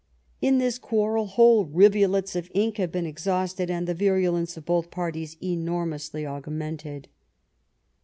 In this quarrel, whole rivulets of ink have been exhausted, and the virulence of both parties enormously augmented."